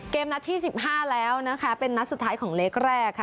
เกมนัทที่สิบห้าแล้วเป็นนัทสุดท้ายของเลขแรก